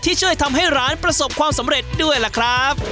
ช่วยทำให้ร้านประสบความสำเร็จด้วยล่ะครับ